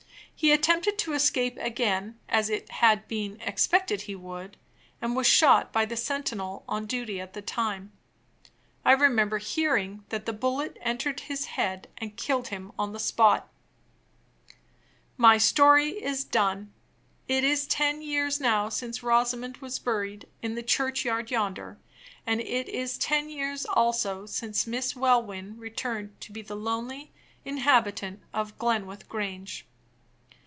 He attempted to escape again, as it had been expected he would, and was shot by the sentinel on duty at the time. I remember hearing that the bullet entered his head and killed him on the spot. My story is done. It is ten years now since Rosamond was buried in the churchyard yonder; and it is ten years also since Miss Welwyn returned to be the lonely inhabitant of Glenwith Grange.